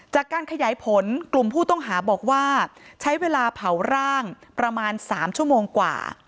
จากการขยายผลกลุ่มผู้ต้องหาบอกว่าใช้เวลาเผาร่างประมาณ๓ชั่วโมงกว่า